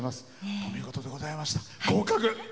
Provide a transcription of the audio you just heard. お見事でございました。